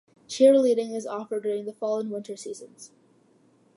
Cheerleading is offered during the fall and winter seasons.